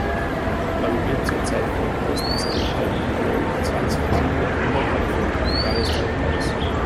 Man geht zurzeit von mindestens einer halben Million Zwangsvertriebener innerhalb von Afghanistan aus.